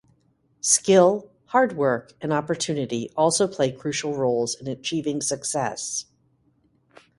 Skill, hard work, and opportunity also play crucial roles in achieving success.